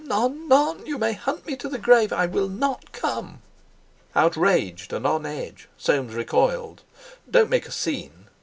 None! None! You may hunt me to the grave. I will not come." Outraged and on edge, Soames recoiled. "Don't make a scene!"